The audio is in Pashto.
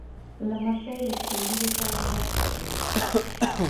لمسی له سپين ږیرو سره مرسته کوي.